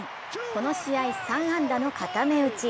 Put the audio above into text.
この試合３安打の固め打ち。